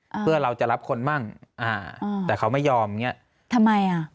เพื่อเราจะรับคนมั่งอ่าอืมแต่เขาไม่ยอมอย่างเงี้ยทำไมอ่ะ